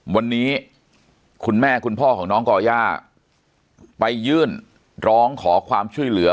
วันนี้คุณแม่คุณพ่อของน้องก่อย่าไปยื่นร้องขอความช่วยเหลือ